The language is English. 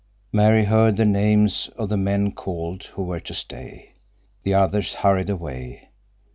Mary heard the names of the men called who were to stay. The others hurried away.